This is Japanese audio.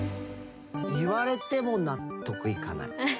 言われても納得いかない！